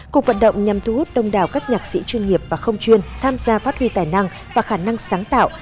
cuộc vận động nhằm thu hút đông đào các nhạc sĩ chuyên nghiệp và không chuyên tham gia phát huy tài năng và khả năng sáng tạo